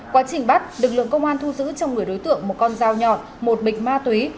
quá trình bắt lực lượng công an thu giữ trong người đối tượng một con dao nhọn một bịch ma túy